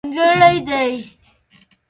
نيمګړئ دي